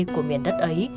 của miền đất ấy